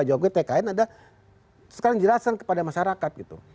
ini jawabannya tkn ada sekarang jelasin kepada masyarakat gitu